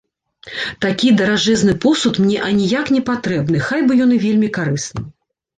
Такі даражэзны посуд мне аніяк непатрэбны, хай бы ён і вельмі карысны.